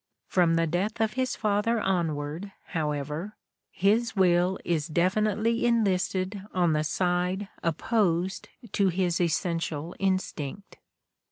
From the death of his father onward, however, his will is definitely enlisted on the side opposed to his essential instinct.